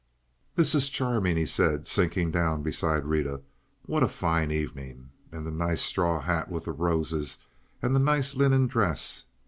"This is charming," he said, sinking down beside Rita. "What a fine evening! And the nice straw hat with the roses, and the nice linen dress.